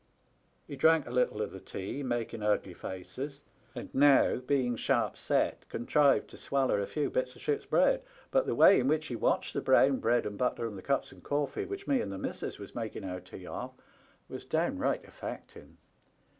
He drank a little of the tea, making ugly faces, and now, being sharp set, contrived to swaller a few bits of ship's bread, but the way in which he watched the brown bread and butter and the cups of corfee which me and the missis was making our tea off was down right affecting.